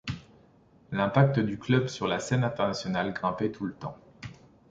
L'impact du club sur la scène internationale grimpait tout le temps.